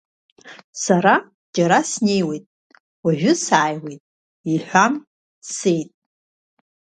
Сара џьара снеиуеит, ожәы сааиуеит, — иҳәан дцеит.